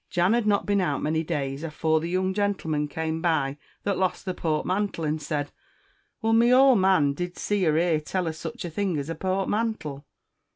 Jan had not been out many days, afore Vhe young gentleman came by that lost the portmantle, and said, "Well, my ould man, did'ee see or hear tell o' sich a thing as a portmantle?"